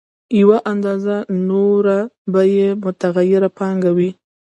یوه اندازه نوره به یې متغیره پانګه وي